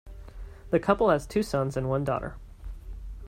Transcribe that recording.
The couple has two sons and one daughter.